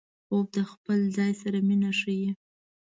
خوب د خپل ځان سره مینه ښيي